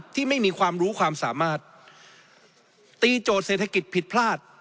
ที่ไม่มีความรู้ความสามารถตีโจทย์เศรษฐกิจผิดพลาด